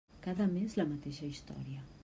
Cada mes, la mateixa història.